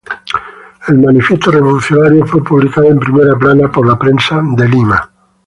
El manifiesto revolucionario fue publicado en primera plana por "La Prensa" de Lima.